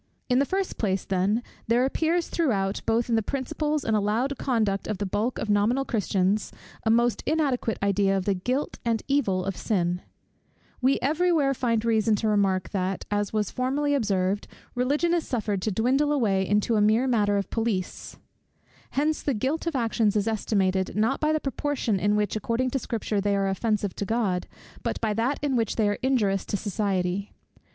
In the first place, then, there appears throughout, both in the principles and allowed conduct of the bulk of nominal Christians, a most inadequate idea of the guilt and evil of sin. We every where find reason to remark, that, as was formerly observed, Religion is suffered to dwindle away into a mere matter of police. Hence the guilt of actions is estimated, not by the proportion in which, according to Scripture, they are offensive to God, but by that in which they are injurious to society.